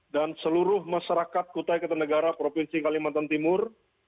dan seluruh masyarakat kutai kartanegara provinsi kalimantan timur